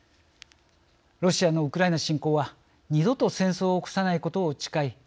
ロシアのウクライナ侵攻は二度と戦争を起こさないことを誓い